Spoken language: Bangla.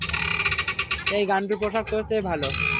এই গান্ডুর পোশাক তোর চেয়ে ভালো।